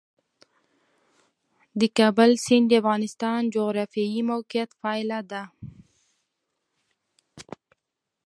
د کابل سیند د افغانستان د جغرافیایي موقیعت پایله ده.